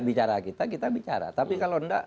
bicara kita kita bicara tapi kalau enggak